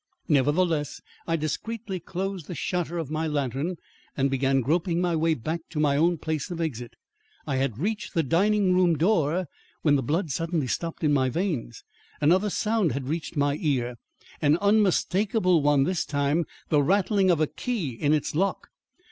Nevertheless, I discreetly closed the shutter of my lantern and began groping my way back to my own place of exit. I had reached the dining room door, when the blood suddenly stopped in my veins. Another sound had reached my ear; an unmistakable one this time the rattling of a key in its lock.